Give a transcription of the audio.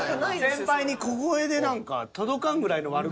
先輩に小声で何か届かんぐらいの悪口。